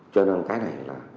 cho nên cái này là